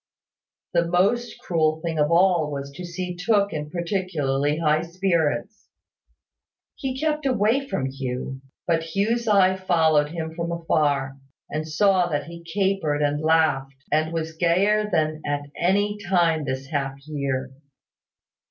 The most cruel thing of all was to see Tooke in particularly high spirits. He kept away from Hugh; but Hugh's eye followed him from afar, and saw that he capered and laughed, and was gayer than at any time this half year.